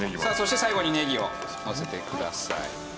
さあそして最後にねぎをのせてください。